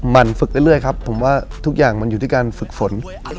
มันฝึกเรื่อยครับผมว่าทุกอย่างมันอยู่ที่การฝึกฝน